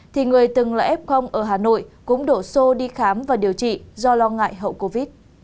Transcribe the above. thì người từng là f ở hà nội cũng đổ xô đi khám và điều trị do lo ngại hậu covid